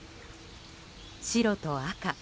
白と赤。